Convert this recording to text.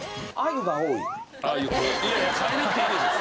いやいや変えなくていいです。